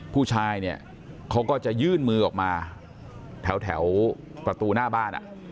ผู้ชายเนี่ยเขาก็จะยื่นมือออกมาแถวประตูหน้าบ้าน